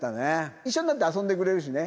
一緒になって遊んでくれるしね。